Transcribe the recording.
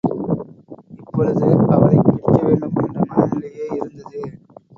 இப்பொழுது அவளைப் பிடிக்கவேண்டும் என்ற மனநிலையே இருந்தது.